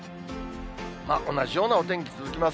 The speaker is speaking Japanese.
同じようなお天気続きます。